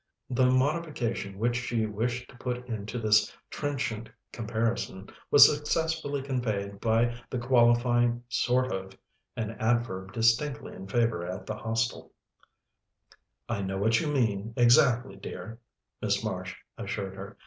The modification which she wished to put into this trenchant comparison was successfully conveyed by the qualifying "sort of," an adverb distinctly in favour at the Hostel. "I know what you mean exactly, dear," Miss Marsh assured her.